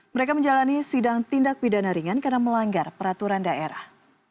mereka menjalani sidang tindak pidana ringan karena melanggar peraturan daerah